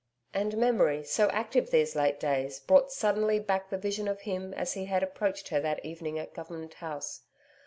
And memory so active these late days, brought suddenly back the vision of him as he had approached her that evening at Government House.